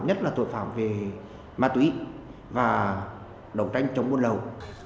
nhất là tội phạm về ma túy và độc tranh chống buôn lầu